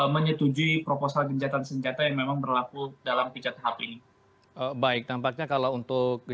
menyetujui proposal genjatan senjata yang memang berlaku dalam pijat tahap ini